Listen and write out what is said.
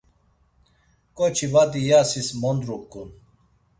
K̆oçi badi iyasis mondruǩun.